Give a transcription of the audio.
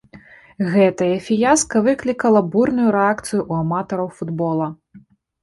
Гэтае фіяска выклікала бурную рэакцыю ў аматараў футбола.